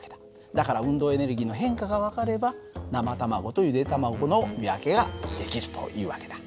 だから運動エネルギ−の変化が分かれば生卵とゆで卵の見分けができるという訳だ。